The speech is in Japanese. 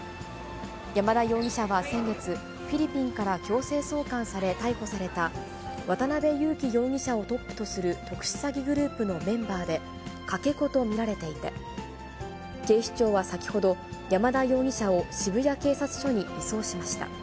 山田容疑者は先月、フィリピンから強制送還され逮捕された、渡辺優樹容疑者をトップとする特殊詐欺グループのメンバーで、かけ子と見られていて、警視庁は先ほど、山田容疑者を渋谷警察署に移送しました。